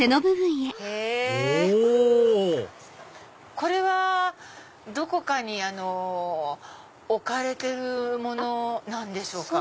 これはどこかに置かれてるものなんでしょうか？